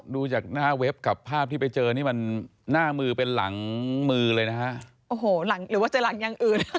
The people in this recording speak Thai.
ดูจากหน้าเว็บกับภาพที่ไปเจอนี่มันหน้ามือเป็นหลังมือเลยนะฮะโอ้โหหลังหรือว่าเจอหลังอย่างอื่น